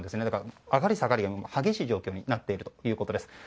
だから、上がり下がりが激しい状況になっているということです。